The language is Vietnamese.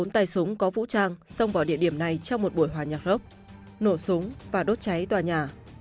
bốn tay súng có vũ trang xông vào địa điểm này trong một buổi hòa nhạc rock nổ súng và đốt cháy tòa nhà